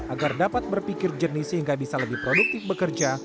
agar dapat berpikir jernih sehingga bisa lebih produktif bekerja